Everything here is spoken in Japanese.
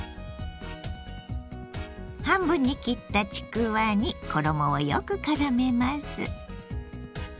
半分に切ったちくわに衣をよくからめます。